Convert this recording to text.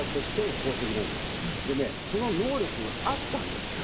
でねその能力があったんですよ。